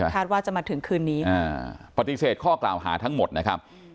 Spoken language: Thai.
คาดว่าจะมาถึงคืนนี้ปฏิเสธข้อกล่าวหาทั้งหมดนะครับ